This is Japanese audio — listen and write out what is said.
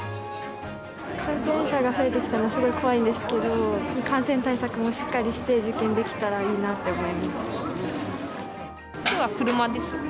感染者が増えてきたのは、すごく怖いんですけど、感染対策もしっかりして、受験できたらいいなと思います。